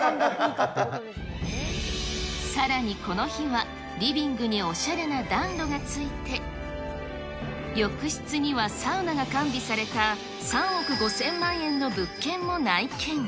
さらにこの日は、リビングにおしゃれな暖炉がついて、浴室にはサウナが完備された、３億５０００万円の物件も内見。